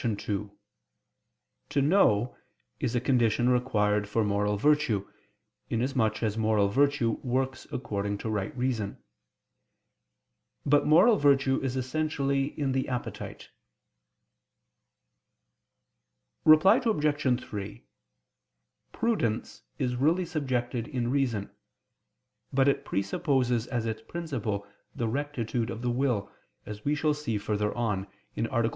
2: "To know" is a condition required for moral virtue, inasmuch as moral virtue works according to right reason. But moral virtue is essentially in the appetite. Reply Obj. 3: Prudence is really subjected in reason: but it presupposes as its principle the rectitude of the will, as we shall see further on (A. 3; Q.